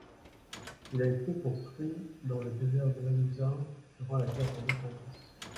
Il a été construit dans le desert de Haluza durant la guerre d'indépendance.